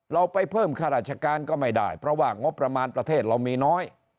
เราไปเพิ่มข้าราชการก็ไม่ได้เพราะว่างบประมาณประเทศเรามีน้อย